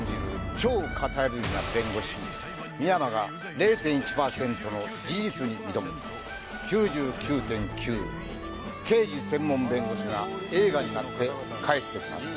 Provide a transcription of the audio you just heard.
超型破りな弁護士深山が０．１％の事実に挑む「９９．９−刑事専門弁護士−」が映画になって帰ってきます